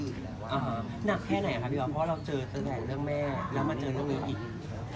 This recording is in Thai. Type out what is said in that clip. หนักแค่ไหนครับพี่บอลเพราะว่าเราเจอตั้งแต่เรื่องแม่แล้วมาเจอเรื่องนี้อีก